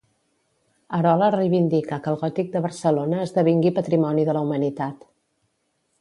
Arola reivindica que el gòtic de Barcelona esdevingui patrimoni de la humanitat.